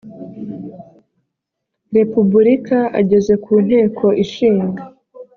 repubulika ageza ku nteko ishinga